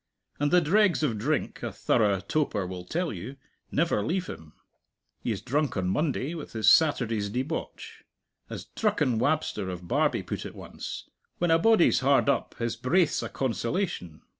And the dregs of drink, a thorough toper will tell you, never leave him. He is drunk on Monday with his Saturday's debauch. As "Drucken Wabster" of Barbie put it once, "When a body's hard up, his braith's a consolation."